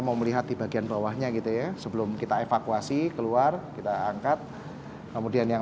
mau melihat di bagian bawahnya gitu ya sebelum kita evakuasi keluar kita angkat kemudian yang